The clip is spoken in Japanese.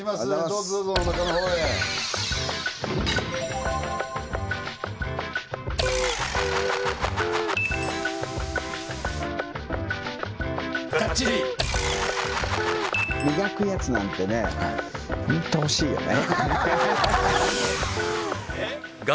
どうぞどうぞ中の方へ磨くやつなんてねホント欲しいよね